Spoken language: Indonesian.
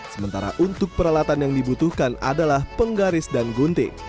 sementara untuk peralatan yang dibutuhkan adalah penggaris dan gunting